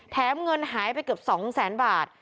แถมเงินหายไปเกือบสองแสนบาท